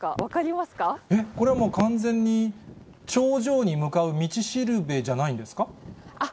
これはもう完全に、頂上に向かう道しるべじゃないんですか。